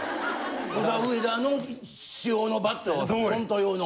オダウエダの私用のバットをコント用の。